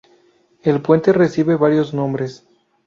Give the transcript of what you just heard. El puente recibe varios nombres.